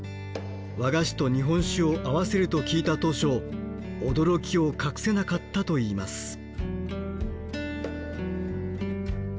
和菓子と日本酒を合わせると聞いた当初驚きを隠せなかったといいます。